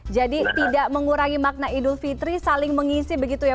jadi tidak mengurangi makna idul fitri saling mengisi begitu ya